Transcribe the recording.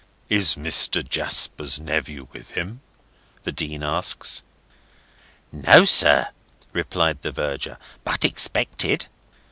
"Is Mr. Jasper's nephew with him?" the Dean asks. "No, sir," replied the Verger, "but expected.